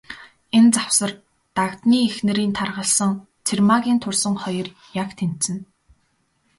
Энэ завсар, Дагданы эхнэрийн таргалсан, Цэрмаагийн турсан хоёр яг тэнцэнэ.